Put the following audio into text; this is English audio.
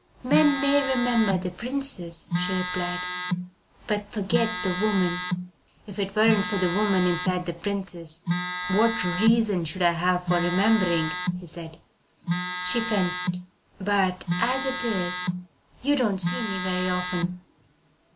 "Men may remember the princess," she replied, "but forget the woman." "If it weren't for the woman inside the princess; what reason should I have for remembering?" he asked. She fenced. "But, as it is, you don't see me very often."